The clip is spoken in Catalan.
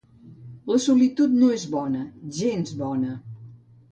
La solitud no és bona, gens bona...